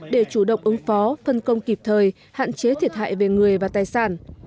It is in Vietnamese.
để chủ động ứng phó phân công kịp thời hạn chế thiệt hại về người và tài sản